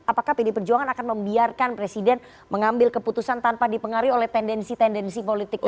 apakah pd perjuangan akan membiarkan presiden mengambil keputusan tanpa dipengaruhi oleh tendensi tendensi politik